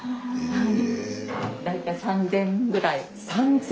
はい。